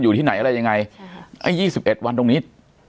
อยู่ที่ไหนอะไรยังไงไอ้๒๑วันตรงนี้